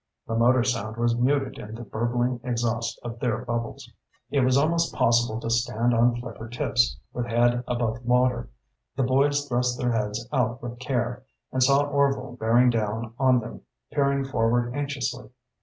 The motor sound was muted in the burbling exhaust of their bubbles. It was almost possible to stand on flipper tips with head above water. The boys thrust their heads out with care, and saw Orvil bearing down on them, peering forward anxiously.